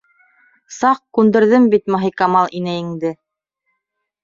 -Саҡ күндерҙем бит Маһикамал инәйеңде.